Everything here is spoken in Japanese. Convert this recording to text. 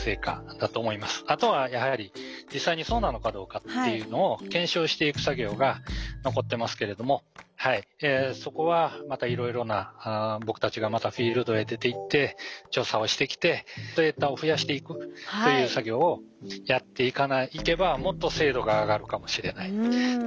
あとはやはり実際にそうなのかどうかっていうのを検証していく作業が残ってますけれどもそこはまたいろいろな僕たちがまたフィールドへ出ていって調査をしてきてデータを増やしていくという作業をやっていけばもっと精度が上がるかもしれないというふうには思います。